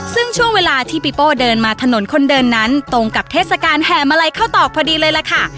ซึ่งช่วงเวลาที่ปีโป้เดินมาถนนคนเดินนั้นตรงกับเทศกาลแห่มาลัยเข้าตอกพอดีเลยล่ะค่ะ